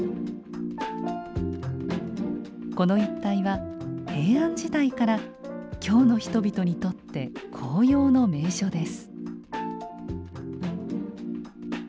この一帯は平安時代から京の人々にとって紅葉の名所です。